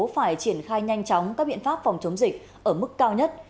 phải triển khai nhanh chóng các biện pháp phòng chống dịch ở mức cao nhất